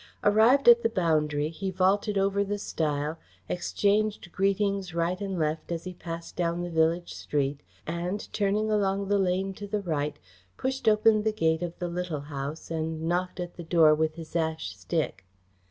Arrived at the boundary he vaulted over the stile, exchanged greetings right and left as he passed down the village street, and, turning along the lane to the right, pushed open the gate of the Little House and knocked at the door with his ash stick.